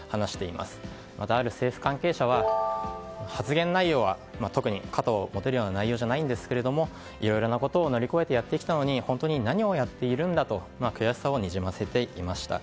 またある政府関係者は発言内容は特に肩を持てるような内容じゃないんですけれどもいろんなことを乗り越えてやってきたのに本当に何をやっているんだと悔しさをにじませていました。